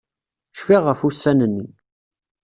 Cfiɣ ɣef ussan-nni.